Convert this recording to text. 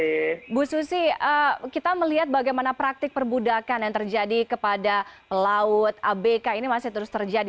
ibu susi kita melihat bagaimana praktik perbudakan yang terjadi kepada pelaut abk ini masih terus terjadi